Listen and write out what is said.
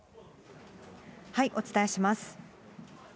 お伝えします。